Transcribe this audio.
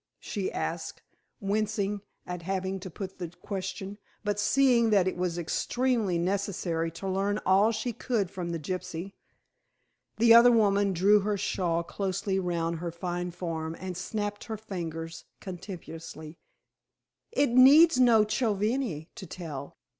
she asked, wincing at having to put the question, but seeing that it was extremely necessary to learn all she could from the gypsy. The other woman drew her shawl closely round her fine form and snapped her fingers contemptuously. "It needs no chovihani to tell.